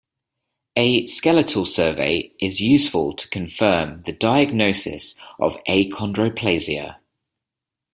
A skeletal survey is useful to confirm the diagnosis of achondroplasia.